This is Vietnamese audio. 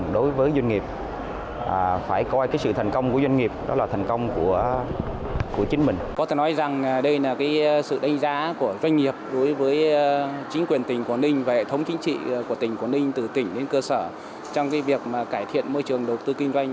điều hành phát triển của tỉnh quảng ninh từ tỉnh đến cơ sở trong việc cải thiện môi trường đầu tư kinh doanh